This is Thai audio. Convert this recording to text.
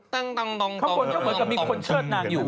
พอเป้นก็เหมือนมีคนเชิดนางอยู่